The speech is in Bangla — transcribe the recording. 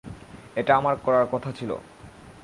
এটা আমার করার কথা ছিল!